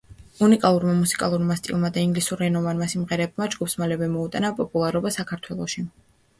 უნიკალურმა მუსიკალურმა სტილმა და ინგლისურენოვანმა სიმღერებმა ჯგუფს მალევე მოუტანა პოპულარობა საქართველოში.